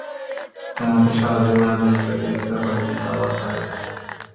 তোমাকে সারা জীবনের জন্য পেতে ইচ্ছা করে কিন্তু আবার ভয়ও হয়।